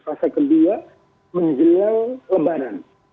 fase kedua menjelang lebaran